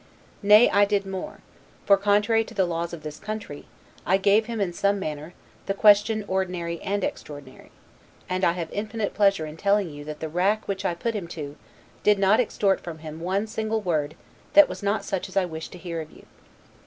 Nay, I did more; for, contrary to the laws of this country, I gave him in some manner, the QUESTION ordinary and extraordinary; and I have infinite pleasure in telling you that the rack which I put him to, did not extort from him one single word that was not such as I wished to hear of you.